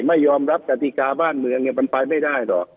ไม่ยอมรับกติกาบ้านเมืองเนี่ยมันไปไม่ได้หรอก